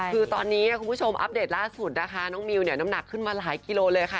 คือตอนนี้คุณผู้ชมอัปเดตล่าสุดนะคะน้องมิวเนี่ยน้ำหนักขึ้นมาหลายกิโลเลยค่ะ